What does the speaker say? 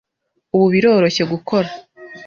Ubu biroroshye gukora